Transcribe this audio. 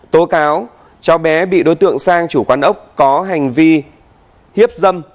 tố cáo cháu bé bị đối tượng sang chủ quán ốc có hành vi hiếp dâm